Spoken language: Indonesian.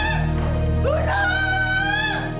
maju bunuh saya